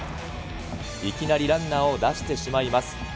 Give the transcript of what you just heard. いきなりランナーを出してしまいます。